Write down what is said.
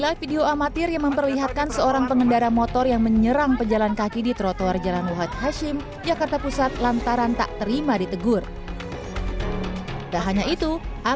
sampai jumpa di jalan jalan taya